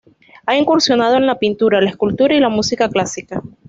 Ha incursionado en la pintura, la escultura y la música clásica.